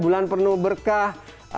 bulan penuh berkah